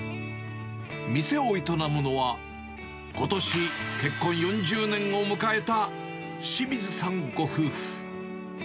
店を営むのは、ことし、結婚４０年を迎えた清水さんご夫婦。